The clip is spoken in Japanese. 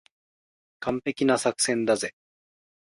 完璧な作戦だぜ。